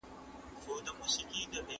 کارګران هره ورځ خپلو کارونو ته په خوښۍ ځي.